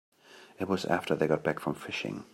It was after they got back from fishing.